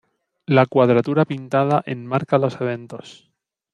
La cuadratura pintada enmarca los eventos.